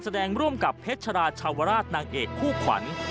แสดงร่วมกับเพชรชาวราชนางเอกผู้ขวัญ